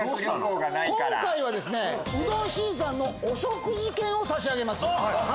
今回はうどん慎さんのお食事券を差し上げます。